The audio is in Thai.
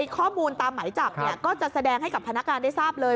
ข้อมูลตามหมายจับก็จะแสดงให้กับพนักงานได้ทราบเลย